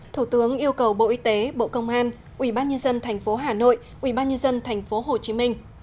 thủ tướng yêu cầu bộ y tế bộ công an ubnd tp hà nội ubnd tp hồ chí minh